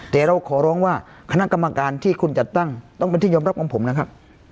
แต่เราขอร้องว่าคณะกรรมการที่คุณจัดตั้งต้องเป็นที่ยอมรับของผมนะครับ